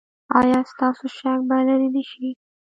ایا ستاسو شک به لرې نه شي؟